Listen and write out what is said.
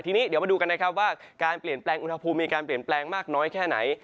ทีนี้เดี๋ยวมาดูกันนะครับว่าการเปลี่ยนแปลงอุณหภูมิมีการเปลี่ยนแปลงมากน้อยแค่ไหน